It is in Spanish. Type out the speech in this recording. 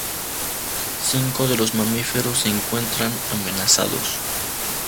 Cinco de los mamíferos se encuentran amenazados.